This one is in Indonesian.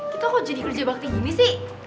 kita kok jadi kerja bakti gini sih